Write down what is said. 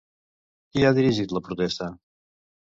Qui ha dirigit la protesta?